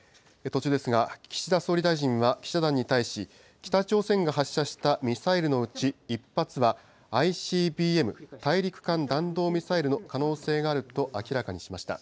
途中ですが、岸田総理大臣は記者団に対し、北朝鮮が発射したミサイルのうち１発はＩＣＢＭ・大陸間弾道ミサイルの可能性があると明らかにしました。